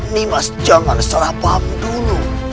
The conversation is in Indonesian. nimas jangan salah paham dulu